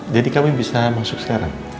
jadi kami bisa masuk sekarang